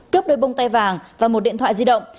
cướp đôi bông tay vàng và một điện thoại di động